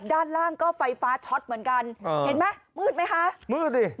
ด้านล่างก็ไฟฟ้าช็อตเหมือนกันเห็นไหมมืดไหมคะมืดดิ